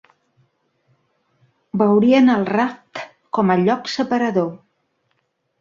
Veurien el Raft com a lloc separador.